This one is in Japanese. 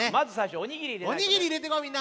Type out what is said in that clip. おにぎりいれてこうみんな。